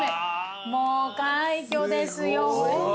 もう快挙ですよ。